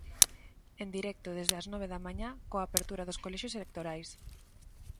En directo desde as nove da mañá, coa apertura dos colexios electorais.